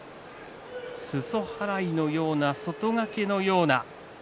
すそ払いのような外掛けのような。